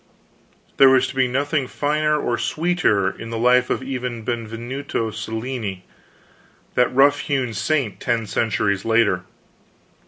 There was to be nothing finer or sweeter in the life of even Benvenuto Cellini, that rough hewn saint, ten centuries later.